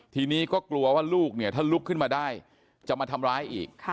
ทีนี้ก็กลัวว่าลูกเนี่ยถ้าลุกขึ้นมาได้จะมาทำร้ายอีก